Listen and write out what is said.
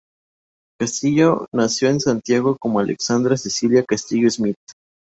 Castillo nació en Santiago como Alexandra Cecilia Castillo-Smith.